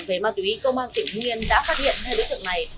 về ma túy công an tỉnh hưng yên đã phát hiện hai đối tượng này